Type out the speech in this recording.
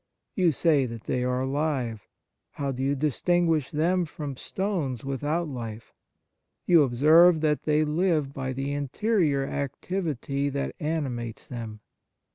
You say that they are alive. How do you distinguish them from stones with out life ? You observe that they live by the interior activity that animates them.